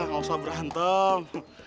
nggak usah berantem